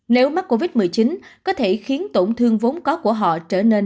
nếu mắc covid một mươi chín có thể khiến tổn thương vốn có của họ trở nên nặng hơn